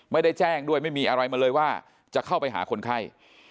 ไม่ได้แจ้งด้วยไม่มีอะไรมาเลยว่าจะเข้าไปหาคนไข้